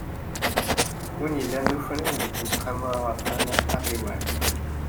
Win i yellan d ufrin deg Useqqamu aɣerfan aɣiwan.